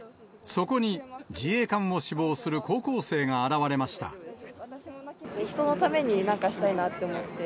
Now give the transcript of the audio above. そこに、自衛官を志望する高人のために、なんかしたいなと思って。